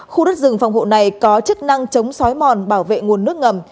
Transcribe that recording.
khu đất rừng phòng hộ này có chức năng chống xói mòn bảo vệ nguồn nước ngầm